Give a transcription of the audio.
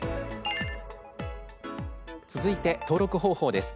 続いて、登録方法です。